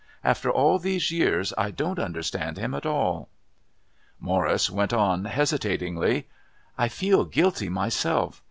After all these years, I don't understand him at all." Morris went on hesitatingly. "I feel guilty myself.